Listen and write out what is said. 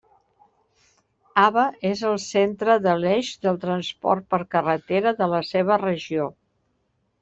Aba és el centre de l'eix del transport per carretera de la seva regió.